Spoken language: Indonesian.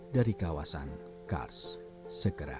dari kawasan kars sekerat